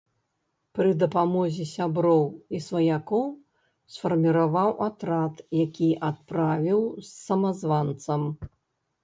Пры дапамозе сяброў і сваякоў сфарміраваў атрад, які адправіў з самазванцам.